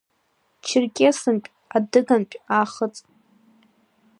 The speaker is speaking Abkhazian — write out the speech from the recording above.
Черкессынтә, Адыгантә, Аахыҵ…